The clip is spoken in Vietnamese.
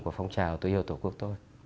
và phong trào tôi yêu tổ quốc tôi